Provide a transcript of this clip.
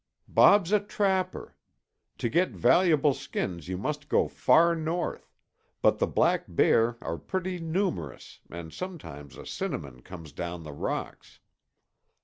"Bob's a trapper. To get valuable skins you must go far North, but the black bear are pretty numerous and sometimes a cinnamon comes down the rocks.